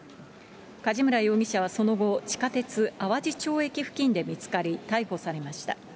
梶村容疑者はその後、地下鉄淡路町駅付近で見つかり、逮捕されました。